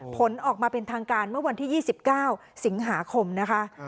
ผลออกมาเป็นทางการเมื่อวันที่๒๙สิงหาคมนะคะ